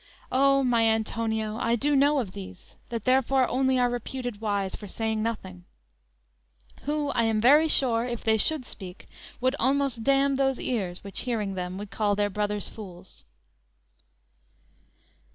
O, my Antonio, I do know of these, That therefore only are reputed wise, For saying nothing; who I am very sure, If they should speak, would almost damn those ears Which, hearing them, would call their brothers fools!"